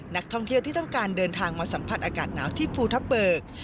นักท่องเที่ยวที่ต้องการเดินทางมาสัมผัสอากาศหนาวที่ภูทับเบิก